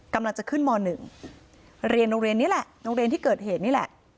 กำลังจะขึ้นม๑เรียนโรงเรียนนี้แหละโรงเรียนที่เกิดเหตุนี่แหละ